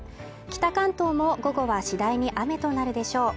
北関東も午後は次第に雨となるでしょう